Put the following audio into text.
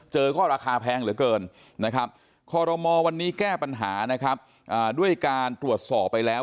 เจอก็ราคาแพงเหลือเกินคมวันนี้แก้ปัญหาด้วยการตรวจสอบไปแล้ว